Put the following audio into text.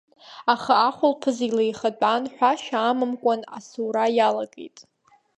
Аха ахәылԥаз илеихатәан, ҳәашьа амамкәан асаура иалагеит.